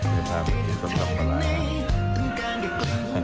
จะทาไปกินส้มตำมาร้า